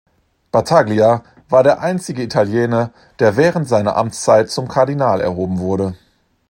Battaglia war der einzige Italiener, der während seiner Amtszeit zum Kardinal erhoben wurde.